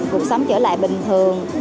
cuộc sống trở lại bình thường